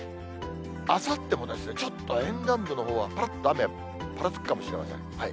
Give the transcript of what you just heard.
あさってもちょっと沿岸部のほうは、ぱらっと雨、ぱらつくかもしれません。